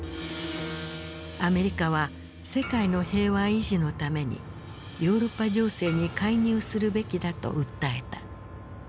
アメリカは世界の平和維持のためにヨーロッパ情勢に介入するべきだと訴えた。